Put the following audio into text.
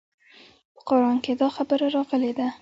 په قران کښې دا خبره راغلې ده.